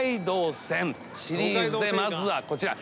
まずはこちら。